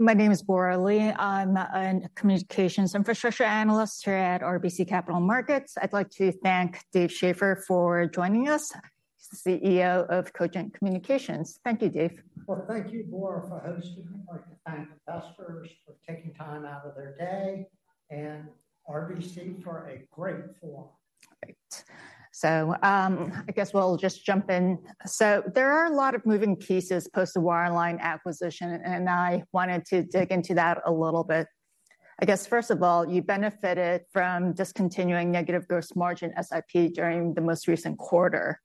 My name is Bora Lee. I'm a Communications Infrastructure Analyst here at RBC Capital Markets. I'd like to thank Dave Schaeffer for joining us, CEO of Cogent Communications. Thank you, Dave. Well, thank you, Bora, for hosting. I'd like to thank investors for taking time out of their day and RBC for a great forum. Great. So, I guess we'll just jump in. So there are a lot of moving pieces post the wireline acquisition, and I wanted to dig into that a little bit. I guess, first of all, you benefited from discontinuing negative gross margin SIP during the most recent quarter.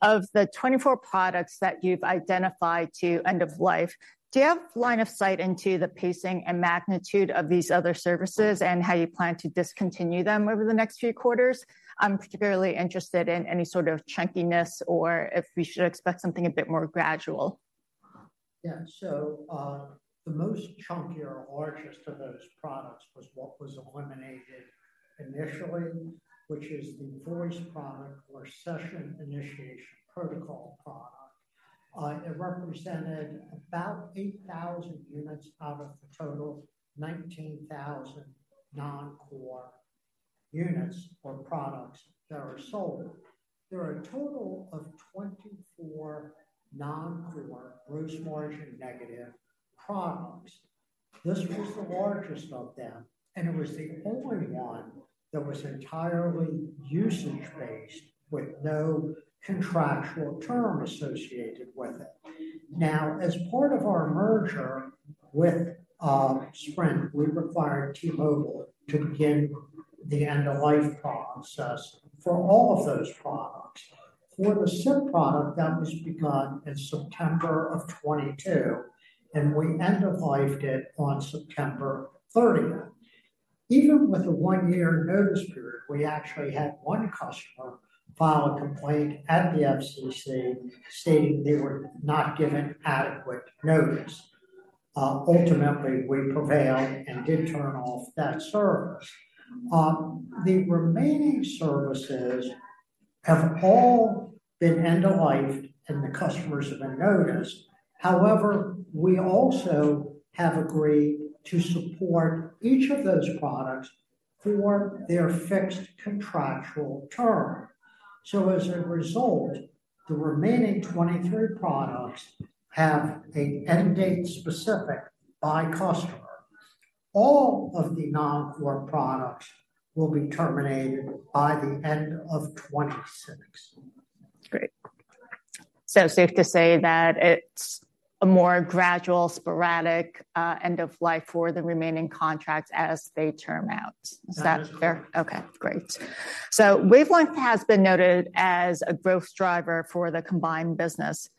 Of the 24 products that you've identified to end of life, do you have line of sight into the pacing and magnitude of these other services and how you plan to discontinue them over the next few quarters? I'm particularly interested in any sort of chunkiness or if we should expect something a bit more gradual. Yeah. So, the most chunky or largest of those products was what was eliminated initially, which is the voice product or Session Initiation Protocol product. It represented about 8,000 units out of a total 19,000 non-core units or products that are sold. There are a total of 24 non-core gross margin negative products. This was the largest of them, and it was the only one that was entirely usage-based with no contractual term associated with it. Now, as part of our merger with Sprint, we required T-Mobile to begin the end-of-life process for all of those products. For the SIP product, that was begun in September of 2022, and we end-of-lifed it on September 30. Even with a one-year notice period, we actually had one customer file a complaint at the FCC, stating they were not given adequate notice. Ultimately, we prevailed and did turn off that service. The remaining services have all been end-of-lifed, and the customers have been noticed. However, we also have agreed to support each of those products for their fixed contractual term. So as a result, the remaining 23 products have an end date specific by customer. All of the non-core products will be terminated by the end of 2026. Great. So safe to say that it's a more gradual, sporadic, end of life for the remaining contracts as they term out. Is that fair? That is correct. Okay, great. So Wavelength has been noted as a growth driver for the combined business.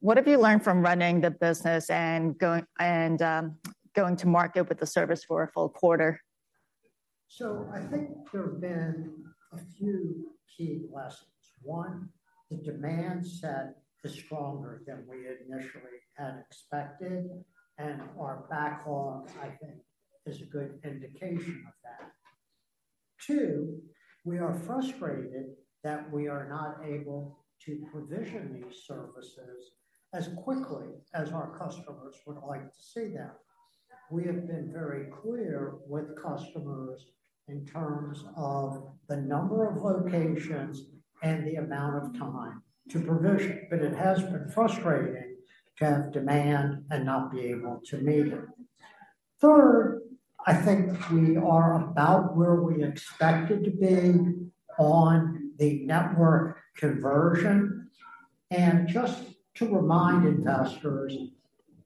What have you learned from running the business and going to market with the service for a full quarter? So I think there have been a few key lessons. One, the demand set is stronger than we initially had expected, and our backlog, I think, is a good indication of that. Two, we are frustrated that we are not able to provision these services as quickly as our customers would like to see them. We have been very clear with customers in terms of the number of locations and the amount of time to provision, but it has been frustrating to have demand and not be able to meet it. Third, I think we are about where we expected to be on the network conversion. And just to remind investors,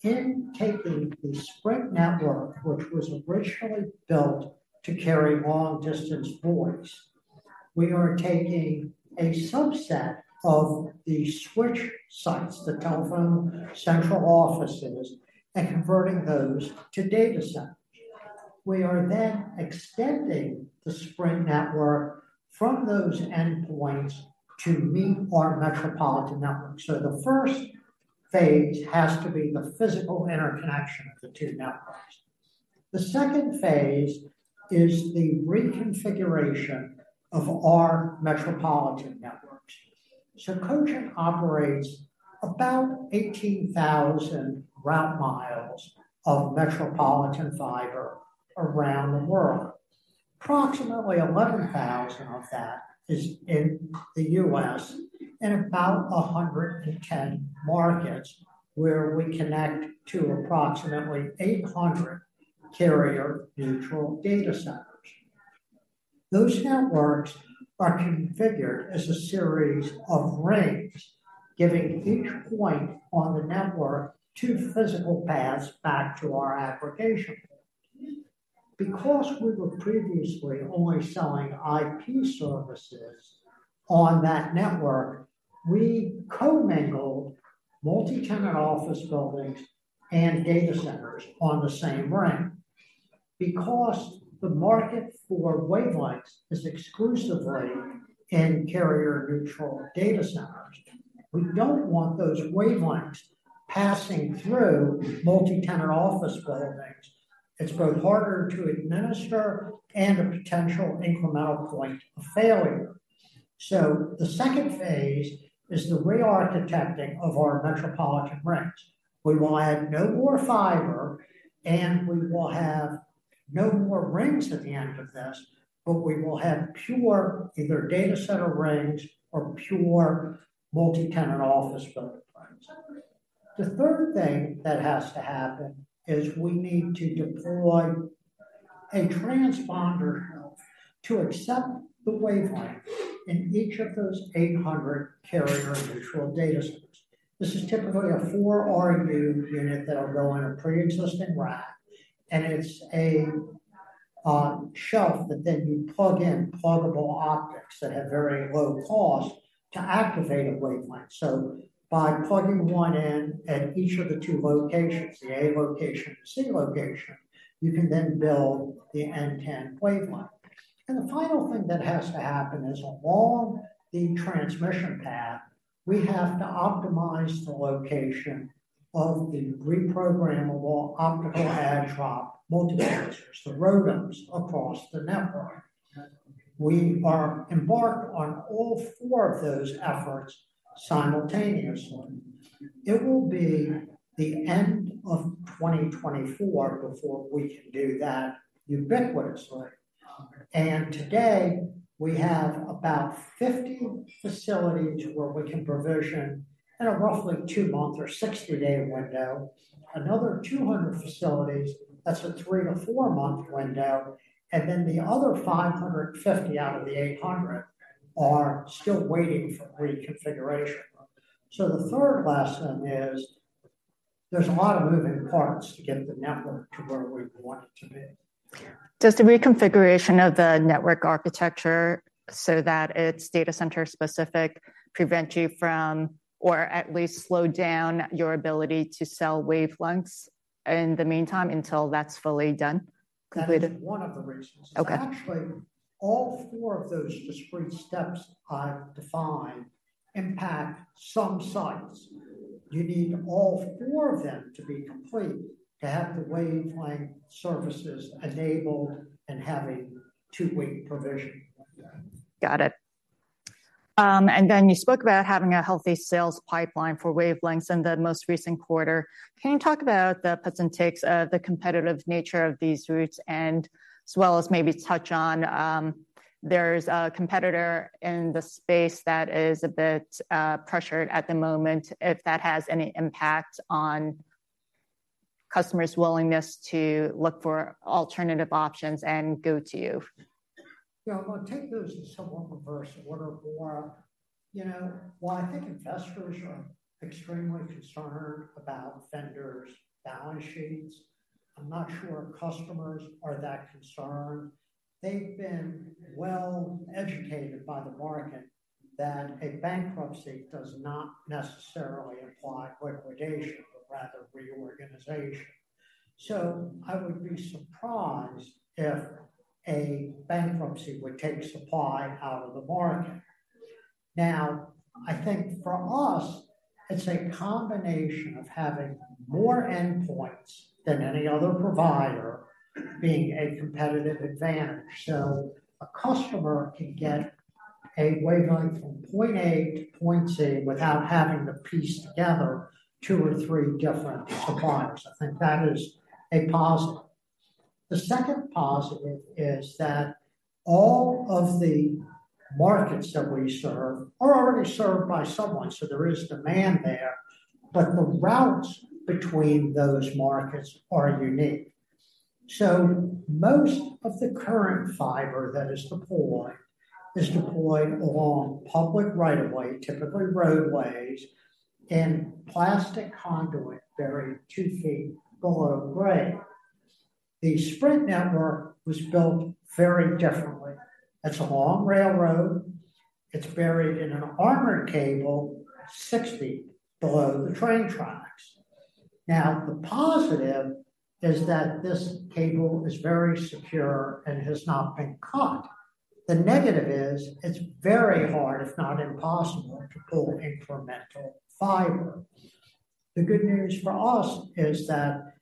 in taking the Sprint network, which was originally built to carry long-distance voice, we are taking a subset of the switch sites, the telephone central offices, and converting those to data centers. We are then extending the Sprint network from those endpoints to meet our metropolitan network. So the first phase has to be the physical interconnection of the two networks. The second phase is the reconfiguration of our metropolitan networks. So Cogent operates about 18,000 route mi of metropolitan fiber around the world. Approximately 11,000 of that is in the U.S. and about 110 markets, where we connect to approximately 800 carrier-neutral data centers. Those networks are configured as a series of rings, giving each point on the network two physical paths back to our aggregation. Because we were previously only selling IP services on that network, we co-mingled multi-tenant office buildings and data centers on the same ring. Because the market for wavelengths is exclusively in carrier-neutral data centers, we don't want those wavelengths passing through multi-tenant office buildings. It's both harder to administer and a potential incremental point of failure. So the second phase is the re-architecting of our metropolitan rings. We will add no more fiber, and we will have no more rings at the end of this, but we will have pure either data center rings or pure multi-tenant office building rings. The third thing that has to happen is we need to deploy a transponder to accept the wavelength in each of those 800 carrier-neutral data centers. This is typically a 4RU unit that'll go on a pre-existing rack, and it's a shelf that then you plug in pluggable optics that have very low cost to activate a wavelength. So by plugging one in at each of the two locations, the A location and the Z location, you can then build the end-to-end wavelength. The final thing that has to happen is along the transmission path, we have to optimize the location of the reprogrammable optical add-drop multiplexers, the ROADMs, across the network. We are embarked on all four of those efforts simultaneously. It will be the end of 2024 before we can do that ubiquitously. Today, we have about 50 facilities where we can provision in a roughly 2-month or 60-day window. Another 200 facilities, that's a 3-4 month window, and then the other 550 out of the 800 are still waiting for reconfiguration. The third lesson is there's a lot of moving parts to get the network to where we want it to be. Does the reconfiguration of the network architecture so that it's data center specific prevent you from or at least slow down your ability to sell wavelengths in the meantime, until that's fully done, completed? That is one of the reasons. Okay. Actually, all four of those discrete steps I've defined impact some sites. You need all four of them to be complete to have the wavelength services enabled and have a two-week provision. Got it. And then you spoke about having a healthy sales pipeline for wavelengths in the most recent quarter. Can you talk about the puts and takes of the competitive nature of these routes, and as well as maybe touch on, there's a competitor in the space that is a bit pressured at the moment, if that has any impact on customers' willingness to look for alternative options and go to you? Yeah, I'll take those in somewhat reverse order, Bora. You know, while I think investors are extremely concerned about vendors' balance sheets, I'm not sure customers are that concerned. They've been well educated by the market that a bankruptcy does not necessarily imply liquidation, but rather reorganization. So I would be surprised if a bankruptcy would take supply out of the market. Now, I think for us, it's a combination of having more endpoints than any other provider being a competitive advantage. So a customer can get a wavelength from point A to point C without having to piece together two or three different suppliers. I think that is a positive. The second positive is that all of the markets that we serve are already served by someone, so there is demand there, but the routes between those markets are unique. So most of the current fiber that is deployed is deployed along public right-of-way, typically roadways and plastic conduit buried two feet below grade. The Sprint network was built very differently. It's a long railroad. It's buried in an armored cable six feet below the train tracks. Now, the positive is that this cable is very secure and has not been cut. The negative is it's very hard, if not impossible, to pull incremental fiber. The good news for us is that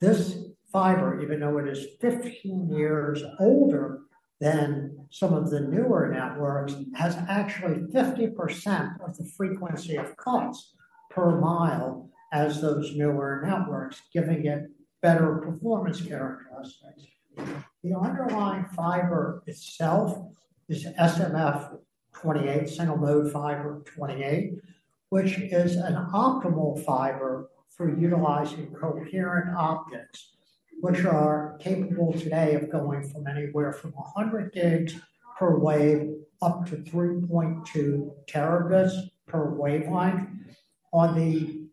this fiber, even though it is 15 years older than some of the newer networks, has actually 50% of the frequency of cuts per mile as those newer networks, giving it better performance characteristics. The underlying fiber itself is SMF-28, single-mode fiber 28, which is an optimal fiber for utilizing coherent optics, which are capable today of going from anywhere from 100 Gb per wave up to 3.2 Tb per wavelength. On the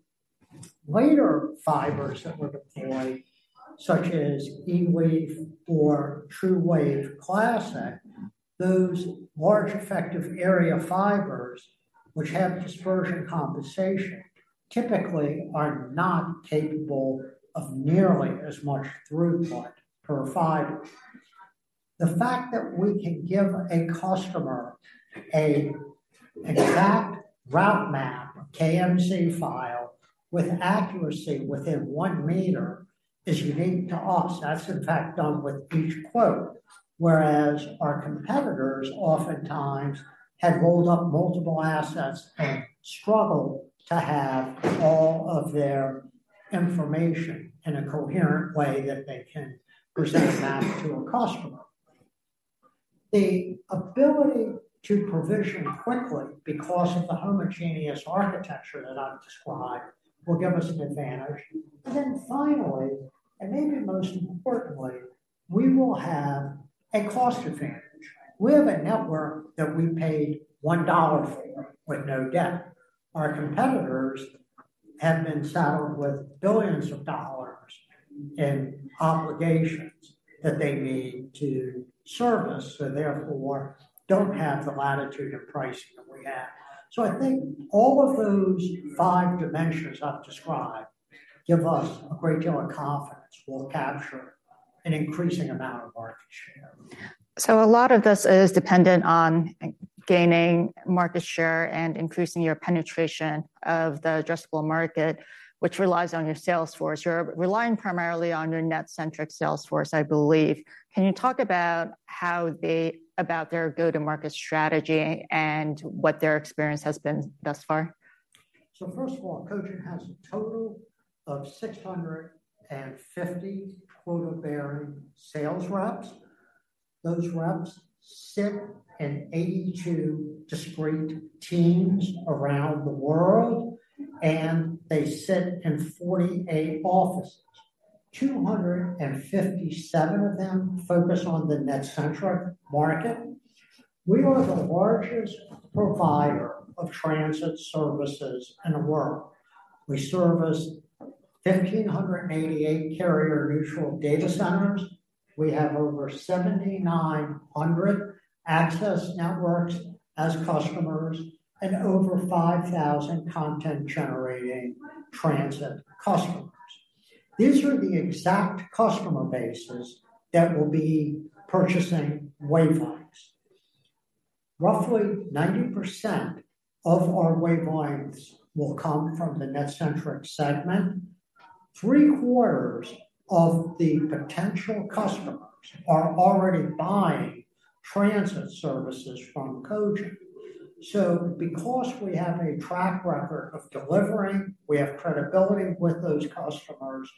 later fibers that were deployed, such as LEAF or TrueWave Classic, those large effective area fibers, which have dispersion compensation, typically are not capable of nearly as much throughput per fiber. The fact that we can give a customer an exact route map, KMZ file with accuracy within 1 m is unique to us. That's, in fact, done with each quote, whereas our competitors oftentimes have rolled up multiple assets and struggle to have all of their information in a coherent way that they can present that to a customer. The ability to provision quickly because of the homogeneous architecture that I've described will give us an advantage. And then finally, and maybe most importantly, we will have a cost advantage. We have a network that we paid $1 for with no debt. Our competitors have been saddled with billions of dollars in obligations that they need to service, so therefore, don't have the latitude of pricing that we have. So I think all of those five dimensions I've described give us a great deal of confidence we'll capture an increasing amount of market share. So a lot of this is dependent on gaining market share and increasing your penetration of the addressable market, which relies on your sales force. You're relying primarily on your NetCentric sales force, I believe. Can you talk about their go-to-market strategy and what their experience has been thus far? So first of all, Cogent has a total of 650 quota-bearing sales reps. Those reps sit in 82 discrete teams around the world, and they sit in 48 offices. 257 of them focus on the NetCentric market. We are the largest provider of Transit services in the world. We service 1,588 carrier-neutral data centers. We have over 7,900 access networks as customers and over 5,000 content-generating Transit customers. These are the exact customer bases that will be purchasing Wavelengths. Roughly 90% of our Wavelengths will come from the NetCentric segment. Three quarters of the potential customers are already buying Transit services from Cogent. So because we have a track record of delivering, we have credibility with those customers,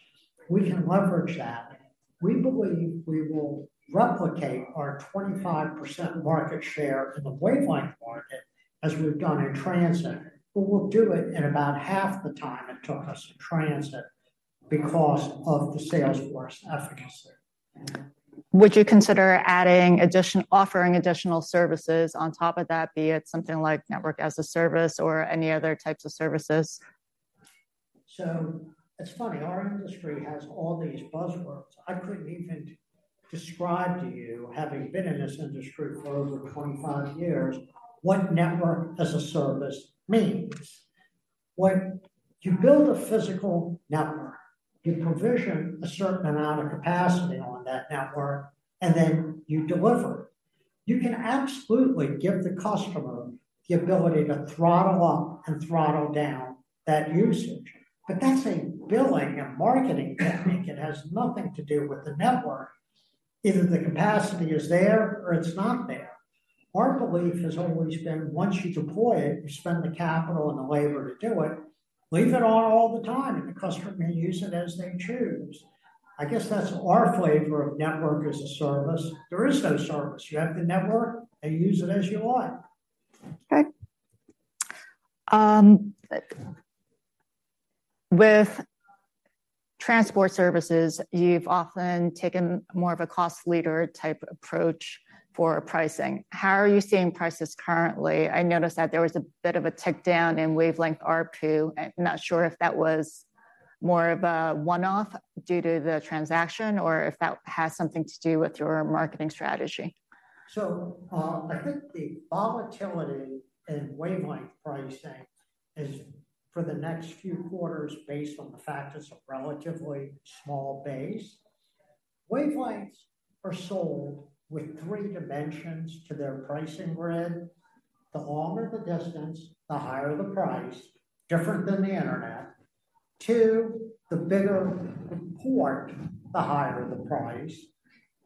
we can leverage that. We believe we will replicate our 25% market share in the Wavelength market, as we've done in Transit, but we'll do it in about half the time it took us in Transit because of the sales force efficacy. Would you consider adding additional, offering additional services on top of that, be it something like Network-as-a-Service or any other types of services? So it's funny, our industry has all these buzzwords. I couldn't even describe to you, having been in this industry for over 25 years, what Network-as-a-Service means. When you build a physical network, you provision a certain amount of capacity on that network, and then you deliver it. You can absolutely give the customer the ability to throttle up and throttle down that usage, but that's a billing and marketing technique. It has nothing to do with the network. Either the capacity is there or it's not there. Our belief has always been, once you deploy it, you spend the capital and the labor to do it, leave it on all the time, and the customer may use it as they choose. I guess that's our flavor of Network-as-a-Service. There is no service. You have the network, and you use it as you want. Okay. With transport services, you've often taken more of a cost leader type approach for pricing. How are you seeing prices currently? I noticed that there was a bit of a tick down in Wavelength ARPU. I'm not sure if that was more of a one-off due to the transaction, or if that has something to do with your marketing strategy. So, I think the volatility in Wavelength pricing is for the next few quarters, based on the fact it's a relatively small base. Wavelengths are sold with three dimensions to their pricing grid. The longer the distance, the higher the price, different than the internet. Two, the bigger the port, the higher the price.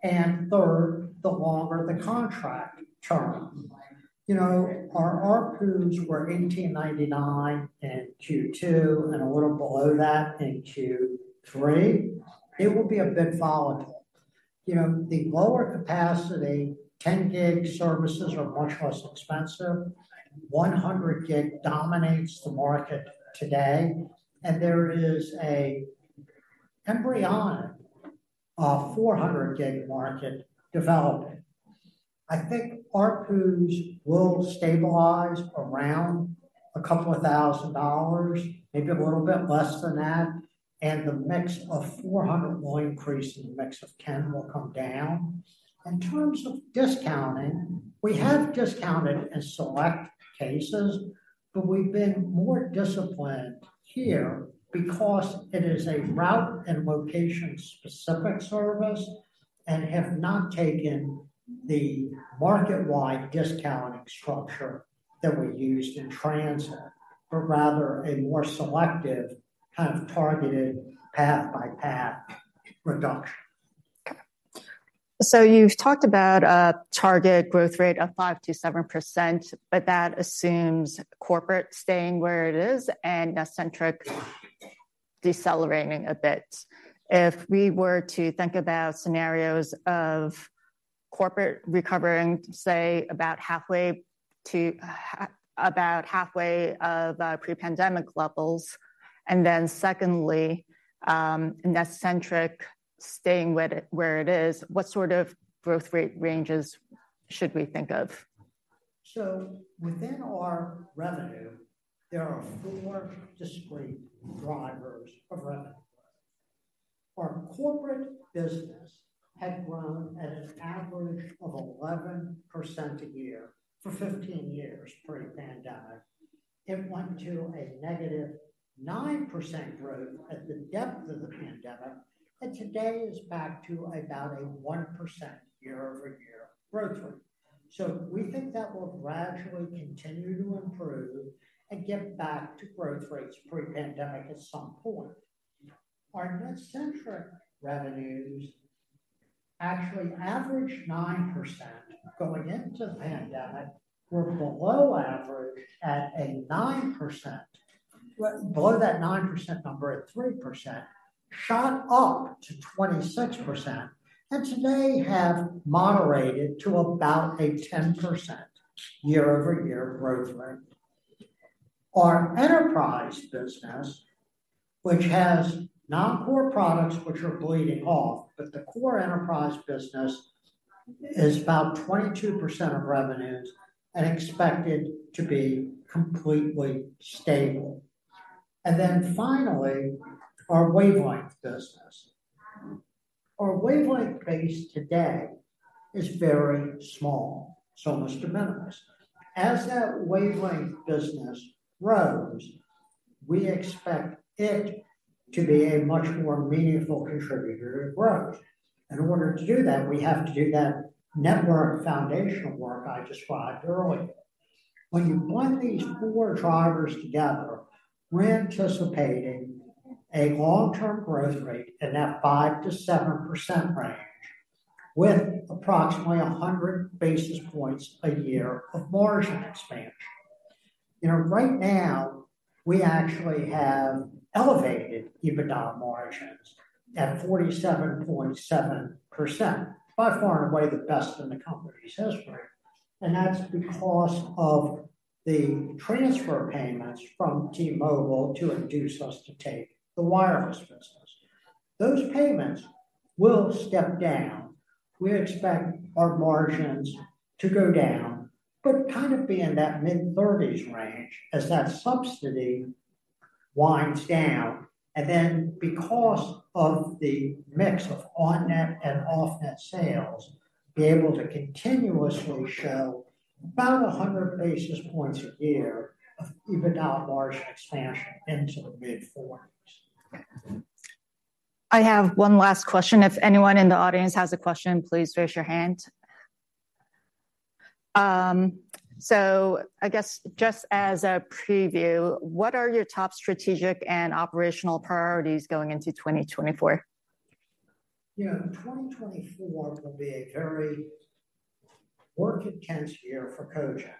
And third, the longer the contract term. You know, our ARPUs were $1,899 in Q2 and a little below that in Q3. It will be a bit volatile. You know, the lower capacity, 10 Gb services are much less expensive. 100 Gb dominates the market today, and there is an embryonic 400 Gb market developing. I think ARPUs will stabilize around $2,000, maybe a little bit less than that, and the mix of 400 will increase, and the mix of 10 will come down. In terms of discounting, we have discounted in select cases, but we've been more disciplined here because it is a route and location-specific service and have not taken the market-wide discounting structure that we used in Transit, but rather a more selective, kind of targeted path-by-path reduction. Okay. So you've talked about a target growth rate of 5%-7%, but that assumes corporate staying where it is and NetCentric decelerating a bit. If we were to think about scenarios of corporate recovering, say, about halfway to pre-pandemic levels, and then secondly, NetCentric staying where it is, what sort of growth rate ranges should we think of? So within our revenue, there are four discrete drivers of revenue growth. Our corporate business had grown at an average of 11% a year for 15 years pre-pandemic. It went to a -9% growth at the depth of the pandemic, and today is back to about a 1% year-over-year growth rate. So we think that will gradually continue to improve and get back to growth rates pre-pandemic at some point. Our NetCentric revenues actually averaged 9% going into the pandemic, were below average at a 9%, well, below that 9% number at 3%, shot up to 26%, and today have moderated to about a 10% year-over-year growth rate. Our enterprise business, which has non-core products which are bleeding off, but the core enterprise business is about 22% of revenues and expected to be completely stable. Then finally, our Wavelength business. Our Wavelength base today is very small, so much to minimize. As that Wavelength business grows, we expect it to be a much more meaningful contributor to growth. In order to do that, we have to do that network foundational work I described earlier. When you blend these four drivers together, we're anticipating a long-term growth rate in that 5%-7% range, with approximately 100 basis points a year of margin expansion. You know, right now, we actually have elevated EBITDA margins at 47.7%. By far and away, the best in the company's history, and that's because of the transfer payments from T-Mobile to induce us to take the wireline business. Those payments will step down. We expect our margins to go down, but kind of be in that mid-30s range as that subsidy winds down, and then because of the mix of on-net and off-net sales, be able to continuously show about 100 basis points a year of EBITDA margin expansion into the mid-40s. I have one last question. If anyone in the audience has a question, please raise your hand. So, I guess just as a preview, what are your top strategic and operational priorities going into 2024? You know, 2024 will be a very work intense year for Cogent,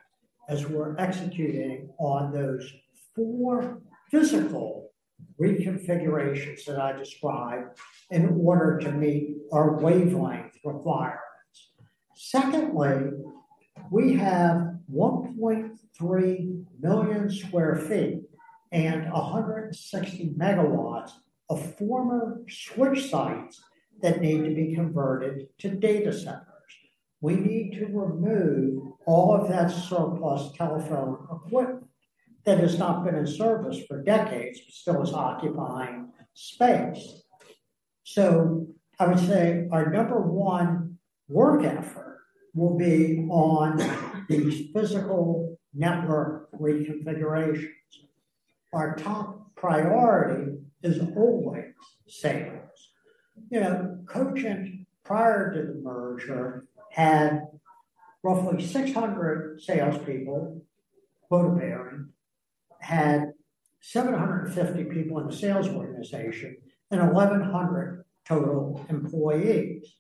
as we're executing on those four physical reconfigurations that I described in order to meet our Wavelength requirements. Secondly, we have 1.3 million sq ft and 160 MW of former switch sites that need to be converted to data centers. We need to remove all of that surplus telephone equipment that has not been in service for decades, but still is occupying space. So I would say our number one work effort will be on these physical network reconfigurations. Our top priority is always sales. You know, Cogent, prior to the merger, had roughly 600 salespeople. Quota-bearing, had 750 people in the sales organization and 1,100 total employees.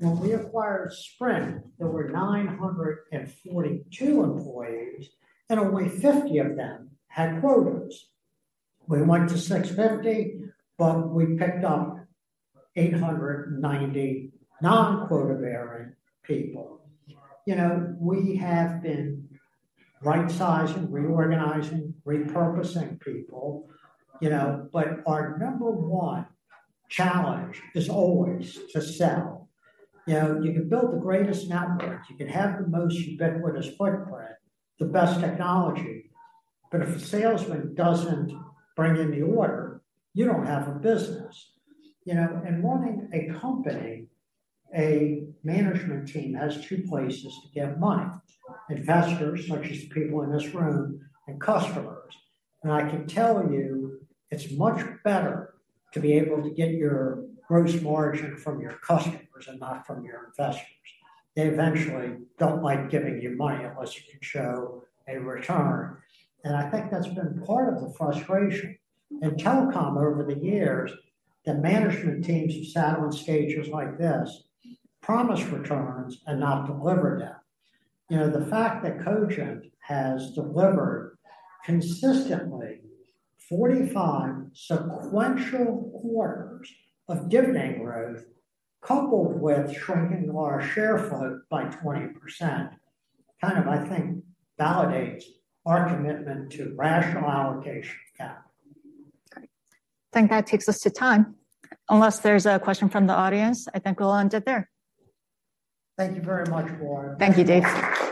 When we acquired Sprint, there were 942 employees, and only 50 of them had quotas. We went to 650, but we picked up 890 non-quota-bearing people. You know, we have been right-sizing, reorganizing, repurposing people, you know, but our number one challenge is always to sell. You know, you can build the greatest networks, you can have the most ubiquitous footprint, the best technology, but if a salesman doesn't bring in the order, you don't have a business. You know, running a company, a management team has two places to get money: investors, such as the people in this room, and customers. I can tell you, it's much better to be able to get your gross margin from your customers and not from your investors. They eventually don't like giving you money unless you can show a return, and I think that's been part of the frustration. In telecom over the years, the management teams have sat on stages like this, promised returns and not delivered them. You know, the fact that Cogent has delivered consistently 45 sequential quarters of dividend growth, coupled with shrinking our share float by 20%, kind of, I think, validates our commitment to rational allocation of capital. Okay. I think that takes us to time. Unless there's a question from the audience, I think we'll end it there. Thank you very much, Bora. Thank you, Dave.